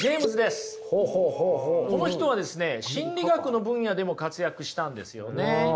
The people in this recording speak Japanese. この人はですね心理学の分野でも活躍したんですよね。